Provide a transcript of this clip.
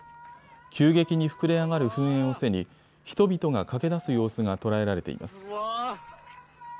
急激に膨れ上がる噴煙を背に人々が駆け出す様子が捉えられています。